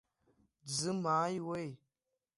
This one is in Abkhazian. Дзымааиуеи?